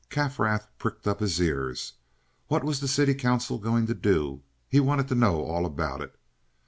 Kaffrath pricked up his ears. What was the city Council going to do? He wanted to know all about it.